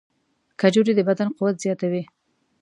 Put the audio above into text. کجورې د بدن قوت زیاتوي.